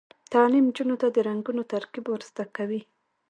تعلیم نجونو ته د رنګونو ترکیب ور زده کوي.